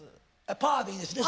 「パー」でいいですね